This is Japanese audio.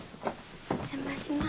お邪魔します。